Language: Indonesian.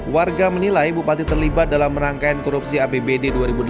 warga menilai bupati terlibat dalam merangkaian korupsi hpbd dua ribu delapan dua ribu lima belas